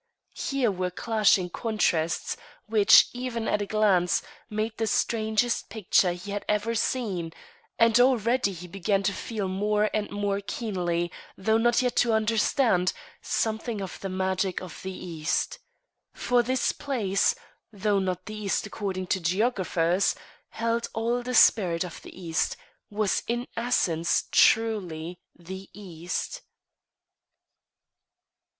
Here were clashing contrasts which, even at a glance, made the strangest picture he had ever seen; and already he began to feel more and more keenly, though not yet to understand, something of the magic of the East. For this place, though not the East according to geographers, held all the spirit of the East was in essence truly the East.